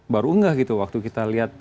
baru enggak gitu waktu kita lihat